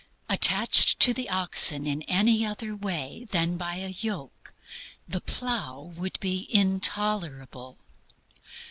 Attached to the oxen in any other way than by a yoke, the plough would be intolerable.